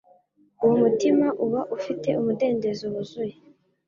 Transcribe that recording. uwo mutima uba ufite umudendezo wuzuye.